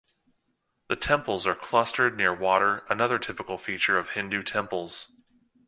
The temples are clustered near water, another typical feature of Hindu temples.